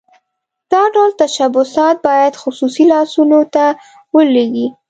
دا ډول تشبثات باید خصوصي لاسونو ته ولویږي.